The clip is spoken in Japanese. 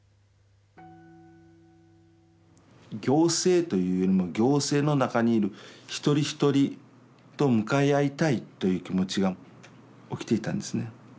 行政というよりも行政の中にいる一人一人と向かい合いたいという気持ちが起きていたんですね。